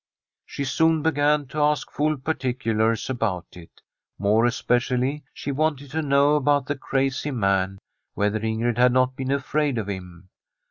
She soon began to ask full particulars about it ; more especially she wanted to know about the crazy man, whether Ingrid had not been afraid of him.